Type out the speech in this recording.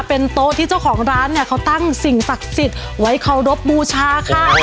เป็นโต๊ะที่เจ้าของร้านเนี่ยเขาตั้งสิ่งศักดิ์สิทธิ์ไว้เคารพบูชาค่ะ